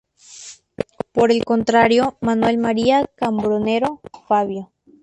Por el contrario, Manuel María Cambronero, "Fabio".